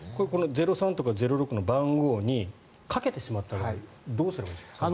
「０３」とか「０６」の番号にかけてしまった場合はどうすればいいんですか？